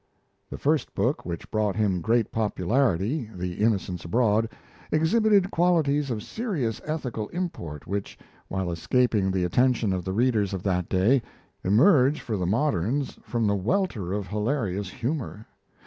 The first book which brought him great popularity, 'The Innocents Abroad', exhibited qualities of serious ethical import which, while escaping the attention of the readers of that day, emerge for the moderns from the welter of hilarious humour.